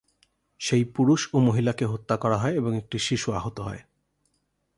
সেই পুরুষ ও মহিলাকে হত্যা করা হয় এবং একটি শিশু আহত হয়।